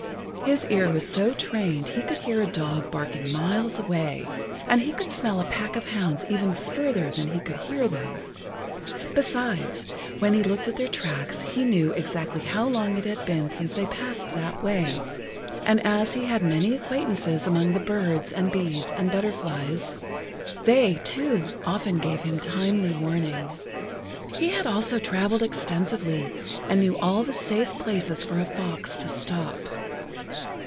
His ear was so trained he could hear a dog barking miles away, and he could smell a pack of hounds even further than he could hear them. Besides, when he looked at their tracks he knew exactly how long it had[Pg 8] been since they passed that way, and as he had many acquaintances among the birds and bees and butterflies, they, too, often gave him timely warning. He had also traveled extensively and knew all the safe places for a fox to stop.